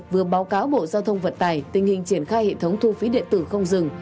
vừa báo cáo bộ giao thông vận tài tình hình triển khai hệ thống thu phí điện tử không dừng